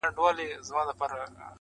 • بيا په وينو اوبه کيږي -